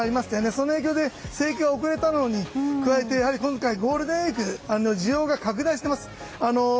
その影響で生育が遅れたのに加えやはり今回ゴールデンウィークで需要が拡大しています。